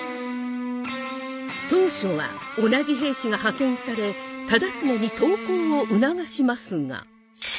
当初は同じ平氏が派遣され忠常に投降を促しますが。